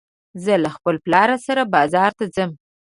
زه له خپل پلار سره بازار ته ځم